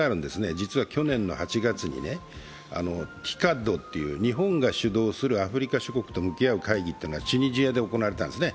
実は去年の８月にＴＩＣＡＤという日本が主導するアフリカ諸国と向き合う会議がチュニジアで行われたんですね。